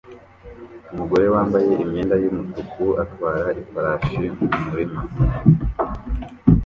Umugore wambaye imyenda yumutuku atwara ifarashi mu murima